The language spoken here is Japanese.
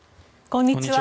こんにちは。